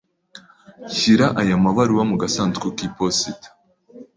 Shyira aya mabaruwa mu gasanduku k'iposita.